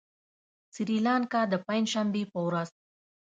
سريلانکا د پنجشنبې په ورځ